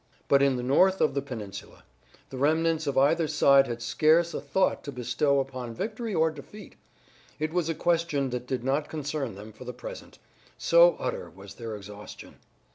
But in the north of the peninsula the remnants of either side had scarce a thought to bestow upon victory or defeat. It was a question that did not concern them for the present, so utter was their exhaustion.